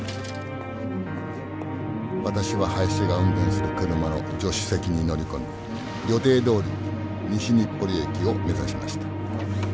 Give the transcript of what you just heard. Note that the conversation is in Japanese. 私はハヤシが運転する車の助手席に乗り込み予定どおり西日暮里駅を目指しました。